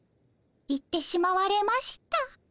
行ってしまわれました。